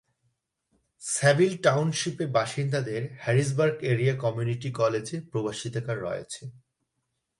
স্যাভিল টাউনশিপের বাসিন্দাদের Harrisburg area community কলেজে প্রবেশাধিকার রয়েছে।